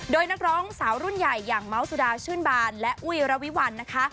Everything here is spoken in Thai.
โดยนักร้องสาวรุ่นใหญ่อย่างเมาส์สุดาชื่นบานและอุ้ยระวิวัลนะคะ